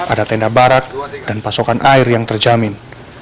ada tenda barat dan pasokan air yang terjamin